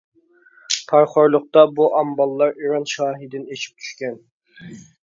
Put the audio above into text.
پارىخورلۇقتا بۇ ئامباللار ئىران شاھىدىن ئېشىپ چۈشكەن.